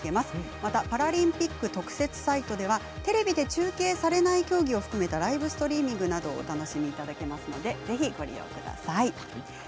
またパラリンピック特設サイトではテレビで中継されない競技を含めたライブストリーミングなどをお楽しみいただけますのでぜひご利用ください。